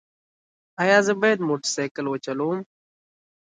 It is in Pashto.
ایا زه باید موټر سایکل وچلوم؟